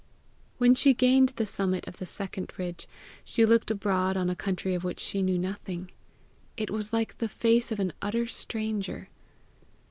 When she gained the summit of the second ridge, she looked abroad on a country of which she knew nothing. It was like the face of an utter stranger.